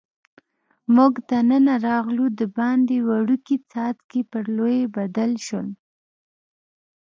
موږ دننه راغلو، دباندې وړوکي څاڅکي پر لویو بدل شول.